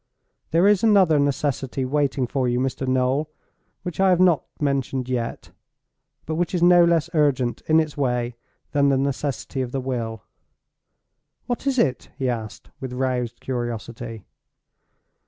There is another necessity waiting for you, Mr. Noel, which I have not mentioned yet, but which is no less urgent in its way than the necessity of the will." "What is it?" he asked, with roused curiosity.